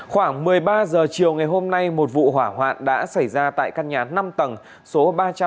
khoảng một mươi ba h chiều ngày hôm nay một vụ hỏa hoạn đã xảy ra tại căn nhà năm tầng số ba trăm năm mươi tám